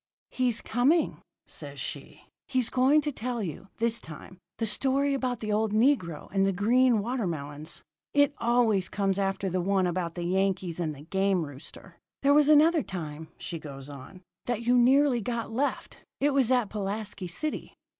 "'He's coming,' says she. 'He's going to tell you, this time, the story about the old negro and the green watermelons. It always comes after the one about the Yankees and the game rooster. There was another time,' she goes on, 'that you nearly got left it was at Pulaski City.'